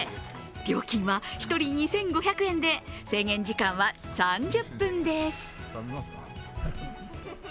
料金は１人２５００円で、制限時間は３０分です。